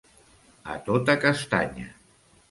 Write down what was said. A tota castanya.